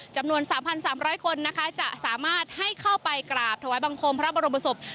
จำนวน๓๓๐๐คนนะคะจะสามารถให้เข้าไปกราบถวายบังคมพระบรมศพ